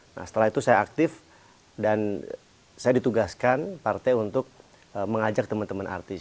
nah setelah itu saya aktif dan saya ditugaskan partai untuk mengajak teman teman artis